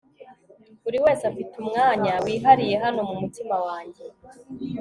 buriwese afite umwanya wihariye hano mumutima wanjye